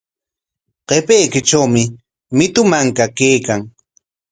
Qapaykitrawmi mitu manka kaykan.